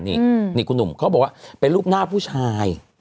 นี่คุณหนุ่มเขาบอกว่าเป็นรูปหน้าผู้ชาย